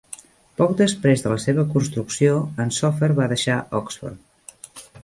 Poc després de la seva construcció, en Soffer va deixar Oxford.